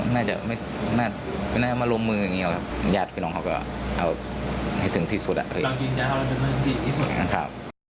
น่าจะมาโรมมืออย่างนี้อย่างนี้นะครับญาติพี่น้องเขาก็เอาให้ถึงที่สุดอะ